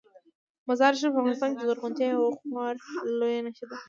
مزارشریف په افغانستان کې د زرغونتیا یوه خورا لویه نښه ده.